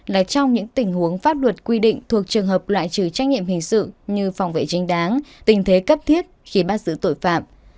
là trong những tình huống pháp luật quy định thuộc trường hợp loại trừ trách nhiệm hình sự như phòng vệ chính đáng tình thế cấp thiết khi bắt giữ tội phạm